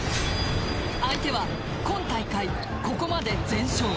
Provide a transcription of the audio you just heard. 相手は今大会、ここまで全勝。